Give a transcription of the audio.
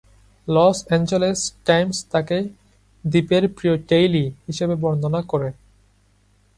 Loss Angeles Times তাকে "দ্বীপের প্রিয় টেইলি" হিসেবে বর্ণনা করে।